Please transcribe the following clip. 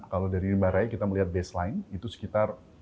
kalau dari rimba raya kita melihat baseline itu sekitar